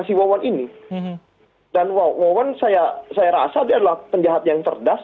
dan wawan ini dan wawan saya rasa dia adalah penjahat yang cerdas